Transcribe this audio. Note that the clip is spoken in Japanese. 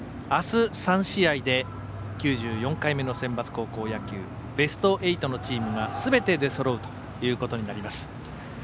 あす３試合で９４回目のセンバツ高校野球ベスト８のチームがすべて出そろうということになります。